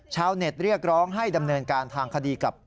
ชาวเน็ตเรียกร้องให้ดำเนินการทางคดีกับ